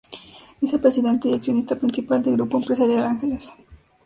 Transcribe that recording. Es el presidente y accionista principal de Grupo Empresarial Ángeles.